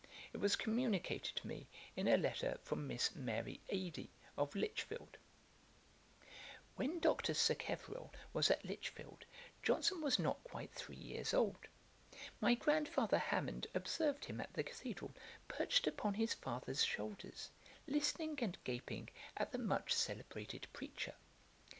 It was communicated to me in a letter from Miss Mary Adye, of Lichfield: [Page 39: Anecdotes of Johnson's childhood.] 'When Dr. Sacheverel was at Lichfield, Johnson was not quite three years old. My grandfather Hammond observed him at the cathedral perched upon his father's shoulders, listening and gaping at the much celebrated preacher.